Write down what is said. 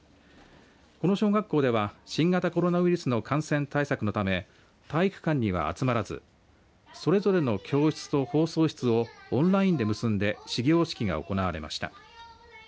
この小学校では新型コロナウイルスの感染対策のため体育館には集まらずそれぞれの教室と放送室をオンラインで結んで始業式が行われました。